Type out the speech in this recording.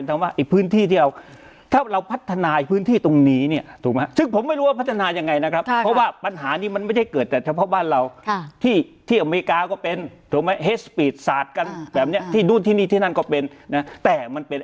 นะครับเพราะว่าปัญหานี้มันไม่ใช่เกิดแต่เฉพาะบ้านเราค่ะที่ที่อเมริกาก็เป็นถูกไหมฮะสปีดศาสตร์กันแบบเนี้ยที่ดูที่นี่ที่นั่นก็เป็นนะฮะแต่มันเป็น